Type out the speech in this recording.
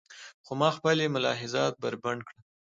خو ما خپلې ملاحظات بربنډ کړل.